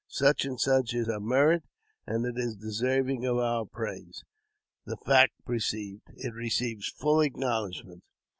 Such and such is her merit, and it is deserving of our praise ; the fact perceived, it receives full acknowledgment.